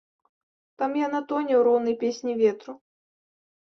Там яна тоне ў роўнай песні ветру.